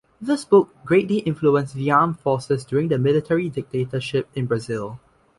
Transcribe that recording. This book greatly influenced the armed forces during the military dictatorship in Brazil.